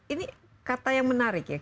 ini kata yang menarik ya